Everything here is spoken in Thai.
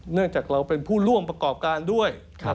เนื่องจากเราเป็นผู้ร่วมประกอบการด้วย